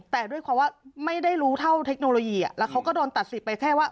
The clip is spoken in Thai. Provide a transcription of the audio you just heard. แต่ด้วยความว่าไม่ได้รู้เท่าเทคโนโลยีแล้วเขาก็โดนตัดสิทธิไปแค่ว่า